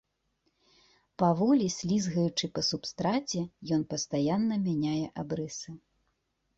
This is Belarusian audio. Паволі слізгаючы па субстраце, ён пастаянна мяняе абрысы.